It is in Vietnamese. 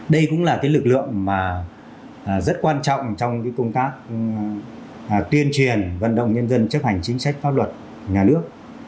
đây cũng là lực lượng mà rất quan trọng trong công tác tuyên truyền vận động nhân dân chấp hành chính sách pháp luật nhà nước